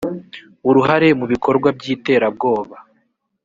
uruhare mu bikorwa by iterabwoba